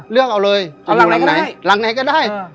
เลือกเอาเลยเอาหลังไหนหลังไหนก็ได้